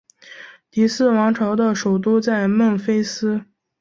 第四王朝的首都在孟菲斯。